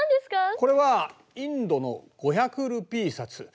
これはインドの５００ルピー札。